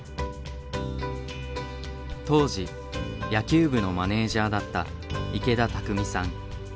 当時野球部のマネージャーだった池田卓巳さん。